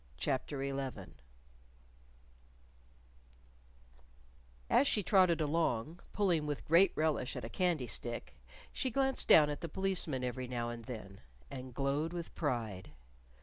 CHAPTER XI As she trotted along, pulling with great relish at a candy stick, she glanced down at the Policeman every now and then and glowed with pride.